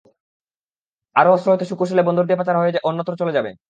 আরও অস্ত্র হয়তো সুকৌশলে বন্দর দিয়ে পাচার হয়ে অন্যত্র চলে যাবে।